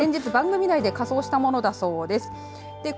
こちら先日、番組内で仮装したものだそうです。